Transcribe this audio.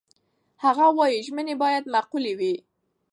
هغه وايي، ژمنې باید معقولې وي.